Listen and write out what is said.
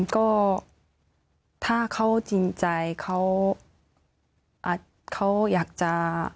ก็ถ้าเขาจริงใจเขาอาจเขาอยากจะ